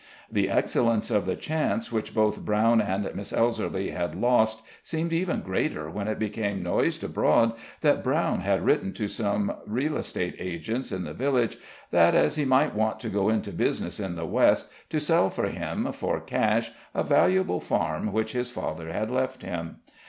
The excellence of the chance which both Brown and Miss Elserly had lost seemed even greater when it became noised abroad that Brown had written to some real estate agents in the village that, as he might want to go into business in the West, to sell for him, for cash, a valuable farm which his father had left him.